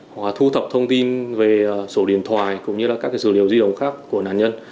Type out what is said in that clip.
họ thu thập thông tin về sổ điện thoại cũng như là các cái dữ liệu di động khác của nạn nhân